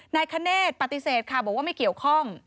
นายคเนธปฏิเสธค่ะบอกว่าไม่เกี่ยวข้อง